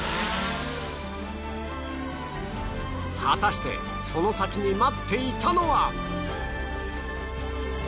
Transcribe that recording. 果たしてその先に待っていたのは。